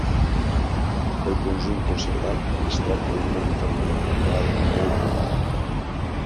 Pel conjunt conservat, es tracta d'un molí fariner medieval molt primitiu.